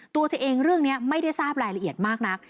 ตัวเธอเองเรื่องนี้ไม่ได้ทราบรายละเอียดมากนัก